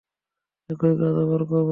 একই কাজ আবার করো।